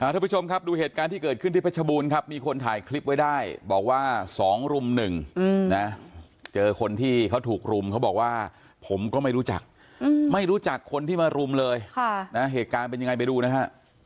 ทุกผู้ชมครับดูเหตุการณ์ที่เกิดขึ้นที่เพชรบูรณ์ครับมีคนถ่ายคลิปไว้ได้บอกว่า๒รุ่มหนึ่งนะเจอคนที่เขาถูกรุมเขาบอกว่าผมก็ไม่รู้จักไม่รู้จักคนที่มารุมเลยเหตุการณ์เป็นยังไงไปดูนะฮะ